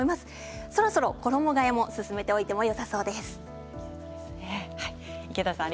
そろそろ衣がえも進めておいてもよさそうです。